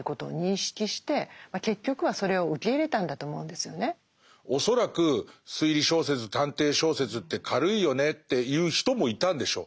でドイルも恐らく推理小説探偵小説って軽いよねって言う人もいたんでしょう。